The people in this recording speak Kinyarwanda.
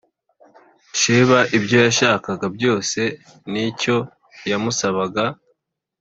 Sheba ibyo yashakaga byose n icyo yamusabaga